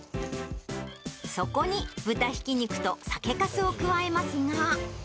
そこに、豚ひき肉と酒かすを加えますが。